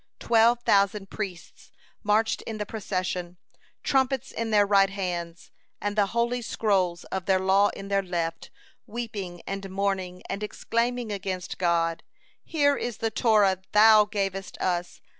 Twelve thousand priests marched in the procession, trumpets in their right hands, and the holy scrolls of the law in their left, weeping and mourning, and exclaiming against God: "Here is the Torah Thou gavest us.